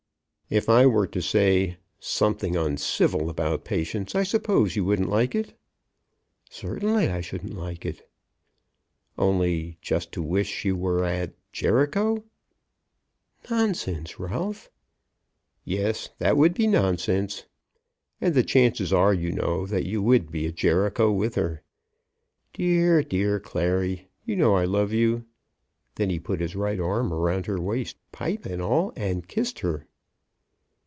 "If I were to say, something uncivil about Patience, I suppose you wouldn't like it?" "Certainly, I shouldn't like it." "Only just to wish she were at, Jericho?" "Nonsense, Ralph." "Yes; that would be nonsense. And the chances are, you know, that you would be at Jericho with her. Dear, dear Clary, you know I love you." Then he put his right arm round her waist, pipe and all, and kissed her.